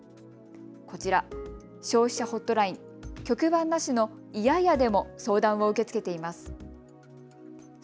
こちら、消費者ホットライン局番なしの１８８でも相談を受け付けています。